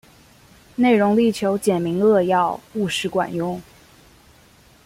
内容力求简明扼要、务实管用